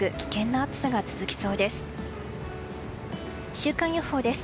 週間予報です。